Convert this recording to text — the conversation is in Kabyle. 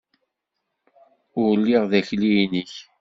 Ur lliɣ d akli-nnek!